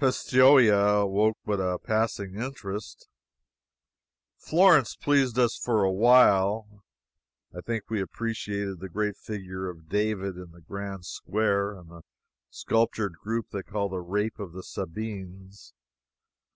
Pistoia awoke but a passing interest. Florence pleased us for a while. I think we appreciated the great figure of David in the grand square, and the sculptured group they call the Rape of the Sabines.